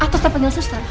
atau saya panggil suster